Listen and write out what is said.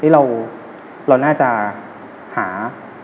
เราน่าจะหา